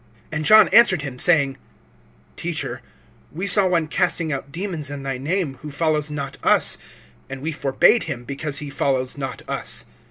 (38)And John answered him, saying: Teacher, we saw one casting out demons in thy name, who follows not us; and we forbade him, because he follows not us.